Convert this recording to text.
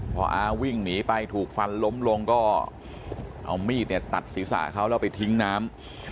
พออาวิ่งหนีไปถูกฟันล้มลงก็เอามีดเนี่ยตัดศีรษะเขาแล้วไปทิ้งน้ำ